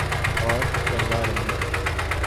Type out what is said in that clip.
اور رنگا رنگی